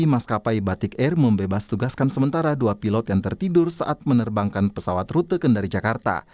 maskapai batik air membebas tugaskan sementara dua pilot yang tertidur saat menerbangkan pesawat rute kendari jakarta